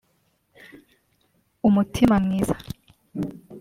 umutima mwiza